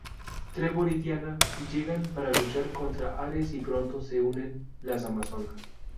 Trevor y Diana llegan para luchar contra Ares y pronto se unen las amazonas.